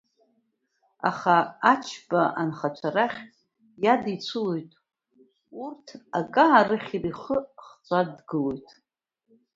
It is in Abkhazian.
Аха Ачба анхацәа рахь иадицәылоит урҭ акы аарыхьыр, ихы хҵәа дгылоит.